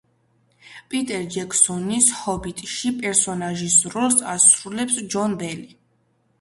პიტერ ჯექსონის „ჰობიტში“ პერსონაჟის როლს ასრულებს ჯონ ბელი.